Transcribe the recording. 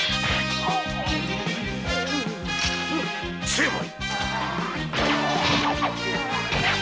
成敗！